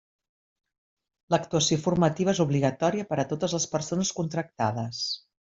L'actuació formativa és obligatòria per a totes les persones contractades.